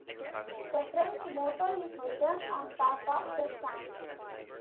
The French motto is written on top of the stamp.